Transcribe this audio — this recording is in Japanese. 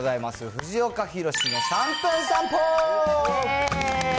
藤岡弘、の３分散歩。